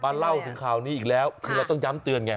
เล่าถึงข่าวนี้อีกแล้วคือเราต้องย้ำเตือนไง